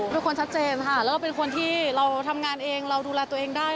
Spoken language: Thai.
เป็นคนชัดเจนค่ะแล้วเราเป็นคนที่เราทำงานเองเราดูแลตัวเองได้